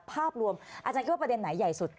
ภาพรวมอาจารย์คิดว่าประเด็นไหนใหญ่สุด